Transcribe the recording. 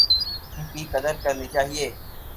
ان کی قدر کرنی چاہیے۔